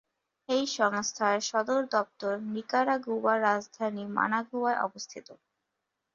এই সংস্থার সদর দপ্তর নিকারাগুয়ার রাজধানী মানাগুয়ায় অবস্থিত।